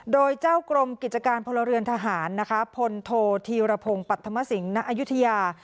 โดยเจ้ากรมกิจการพลเรือนทหารนะคะพลโทธีรพงศ์ปรัฐมสิงหณอายุทยา